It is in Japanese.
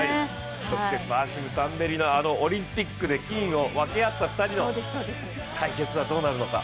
そしてバーシムとタンベリのオリンピックで金を分け合った２人の対決はどうなるのか。